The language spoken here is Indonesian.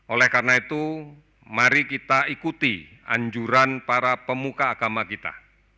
oleh karena itu mari kita ikuti anjuran para pemuka agama kita